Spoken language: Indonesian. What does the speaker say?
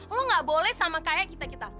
lo gak boleh sama kayak kita kita